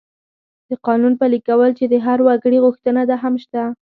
د قانون پلي کول چې د هر وګړي غوښتنه ده، هم شته.